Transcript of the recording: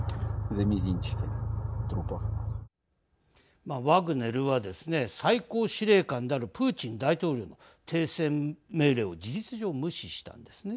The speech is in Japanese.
まあ、ワグネルはですね最高司令官であるプーチン大統領の停戦命令を事実上無視したんですね。